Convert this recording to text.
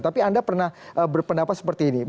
tapi anda pernah berpendapat seperti ini